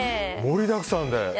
盛りだくさんで。